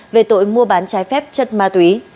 về tội mua bán trái phép chất ma túy